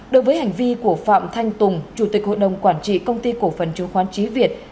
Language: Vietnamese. đối với hành vi của phạm thanh tùng chủ tịch hội đồng quản trị công ty cổ phần chứng khoán trí việt